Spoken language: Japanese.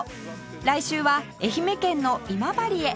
来週は愛媛県の今治へ